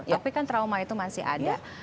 tapi kan trauma itu masih ada